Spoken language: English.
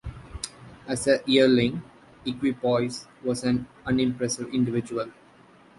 As a yearling, Equipoise was an unimpressive individual.